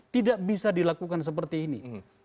tidak bisa dilakukan seperti ini